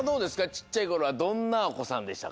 ちっちゃいころはどんなおこさんでしたか？